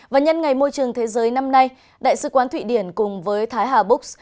và nhân ngày môi trường thế giới năm nay đại sứ quán thụy điển cùng với thái hà books